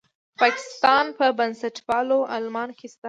په پاکستان په بنسټپالو عالمانو کې شته.